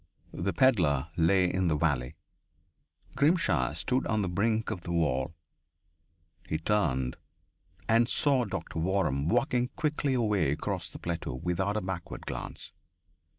The pedlar lay in the valley. Grimshaw stood on the brink of the "wall." He turned, and saw Doctor Waram walking quickly away across the plateau without a backward glance.